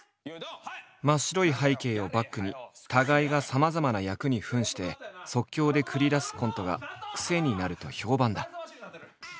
真っ白い背景をバックに互いがさまざまな役に扮して即興で繰り出すコントがクセになると評判だ。